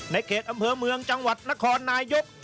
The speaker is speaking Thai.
ในเขตอำเภอเมืองจังหวัดนครนายก